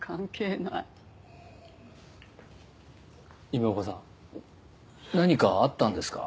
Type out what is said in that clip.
今岡さん何かあったんですか？